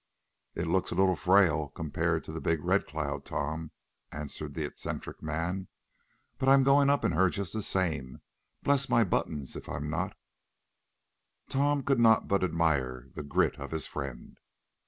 "It looks a little frail, compared to the big RED CLOUD, Tom," answered the eccentric man, "but I'm going up in her just the same; bless my buttons if I'm not." Tom could not but admire the grit of his friend.